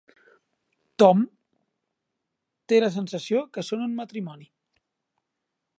Tom té la sensació que són un matrimoni.